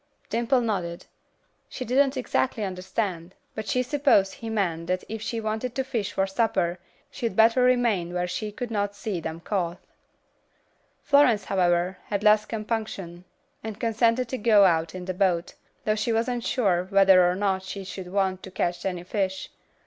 Dimple nodded. She didn't exactly understand, but she supposed he meant that if she wanted the fish for supper, she'd better remain where she could not see them caught. Florence, however, had less compunction, and consented to go out in the boat, though she wasn't sure whether or not she should want to catch any fish.